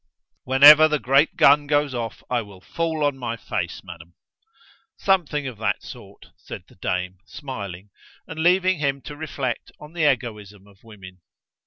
"Whenever the great gun goes off I will fall on my face, madam!" "Something of that sort," said the dame, smiling, and leaving him to reflect on the egoism of women.